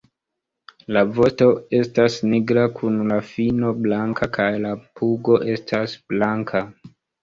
La vosto estas nigra kun la fino blanka kaj la pugo estas blanka.